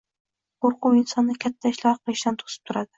Qo’rquv insonni katta ishlar qilishdan to’sib turadi.